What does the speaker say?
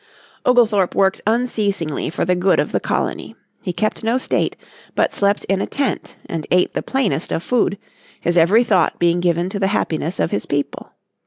Oglethorpe worked unceasingly for the good of the colony. He kept no state, but slept in a tent and ate the plainest of food, his every thought being given to the happiness of his people.